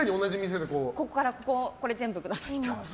ここからここ、全部くださいって。